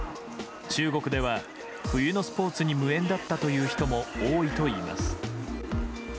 中国では冬のスポーツに無縁だったという人も多いといいます。